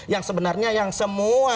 yang sebenarnya yang semua